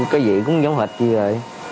cái vị cũng giống hệt như vậy